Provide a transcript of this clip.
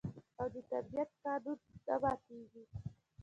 او د طبیعت قانون نه ماتیږي.